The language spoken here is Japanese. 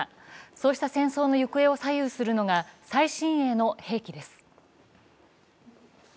そうした戦争の行方を左右するのが最新鋭の兵器です。